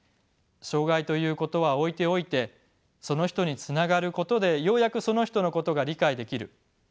障がいということは置いておいてその人につながることでようやくその人のことが理解できる。